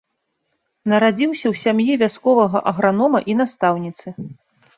Нарадзіўся ў сям'і вясковага агранома і настаўніцы.